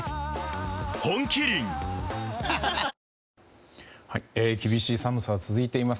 本麒麟厳しい寒さは続いています。